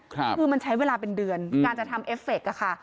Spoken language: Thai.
คือมันใช้เวลาเป็นเดือนการจะทำเอฟเคอะค่ะ